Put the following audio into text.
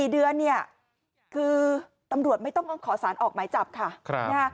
๔เดือนคือตำรวจไม่ต้องขอสารออกไม้จับค่ะ